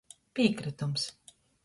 Pīkrytums.